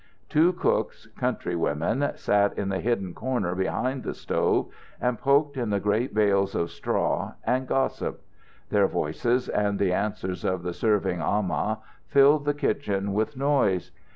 Two cooks, country women, sat in the hidden corner behind the stove, and poked in the great bales of straw and gossiped. Their voices and the answers of the serving amah filled the kitchen with noise.